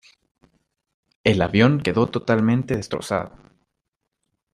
El avión quedó totalmente destrozado.